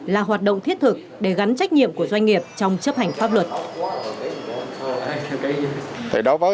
là hoạt động thiết thực để gắn trách nhiệm của doanh nghiệp trong chấp hành pháp luật